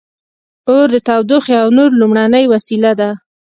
• اور د تودوخې او نور لومړنۍ وسیله وه.